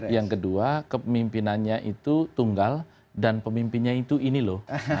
yang kedua kepemimpinannya itu tunggal dan pemimpinnya itu ini loh